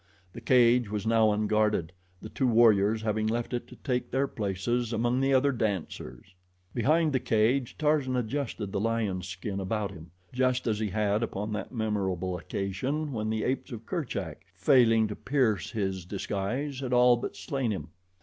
The cage was now unguarded, the two warriors having left it to take their places among the other dancers. Behind the cage Tarzan adjusted the lion's skin about him, just as he had upon that memorable occasion when the apes of Kerchak, failing to pierce his disguise, had all but slain him.